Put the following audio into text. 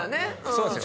そうですよ。